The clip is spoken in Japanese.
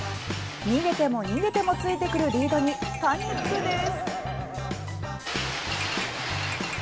逃げても逃げてもついてくるリードにパニックです。